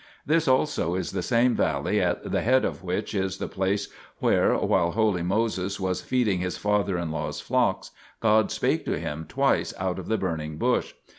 This also is the same valley at the head of which is the place where, while holy Moses was feeding his father in law's flocks, God spake to him twice out of the burning bush.